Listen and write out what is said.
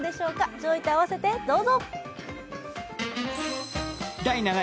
上位と併せてどうぞ。